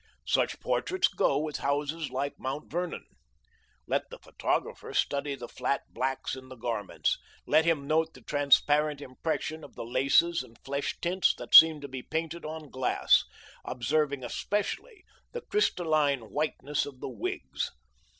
Such portraits go with houses like Mount Vernon. Let the photographer study the flat blacks in the garments. Let him note the transparent impression of the laces and flesh tints that seem to be painted on glass, observing especially the crystalline whiteness of the wigs.